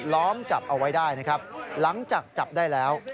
ล้อมจับเอาไว้ได้นะครับหลังจากจับได้แล้ว